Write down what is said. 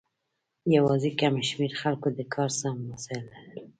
یوازې کم شمیر خلکو د کار سم وسایل لرل.